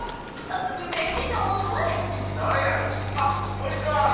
早速名人の元へあっこんにちは！